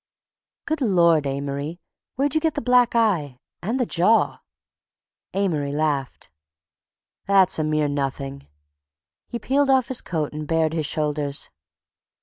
"Good Lord, Amory, where'd you get the black eye—and the jaw?" Amory laughed. "That's a mere nothing." He peeled off his coat and bared his shoulders.